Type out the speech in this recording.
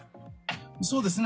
そうですね。